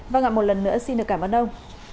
vâng ạ một lần nữa xin được cảm ơn ông